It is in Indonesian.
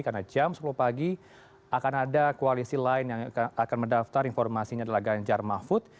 karena jam sepuluh pagi akan ada koalisi lain yang akan mendaftar informasinya adalah ganjar mahfud